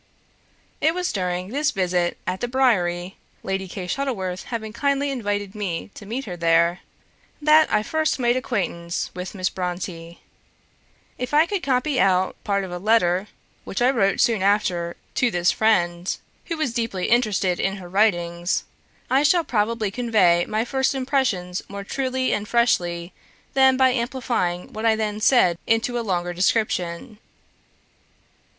It was during this visit at the Briery Lady Kay Shuttleworth having kindly invited me to meet her there that I first made acquaintance with Miss Brontë. If I copy out part of a letter, which I wrote soon after this to a friend, who was deeply interested in her writings, I shall probably convey my first impressions more truly and freshly than by amplifying what I then said into a longer description.